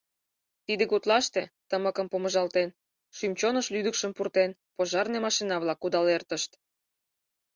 Тиде гутлаште, тымыкым помыжалтен, шӱм-чоныш лӱдыкшым пуртен, пожарный машина-влак кудал эртышт.